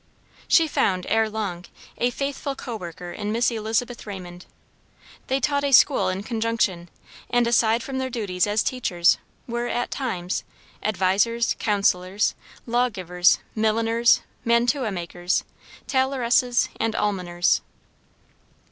She found, ere long, a faithful co worker in Miss Elizabeth Raymond. They taught a school in conjunction, and, aside from their duties as teachers, were, at times, "advisers, counsellors, law givers, milliners, mantua makers, tailoresses, and almoners."